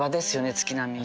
月並みに。